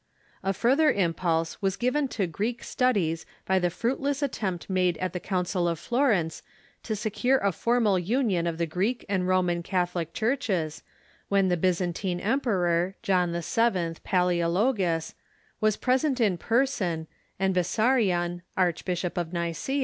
A fur ther impulse was given to Greek studies by the fruitless at tempt made at the Council of Florence to secure a formal union of the Greek and Roman Catholic churches, when the Byzan tine emperor, John YIL, Pala^ologus,* was present in person, and Bessarion, Archbishop of Nica?